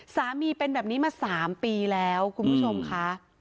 สามีเป็นแบบนี้มา๓ปีแล้วคุณผู้ชมค่ะ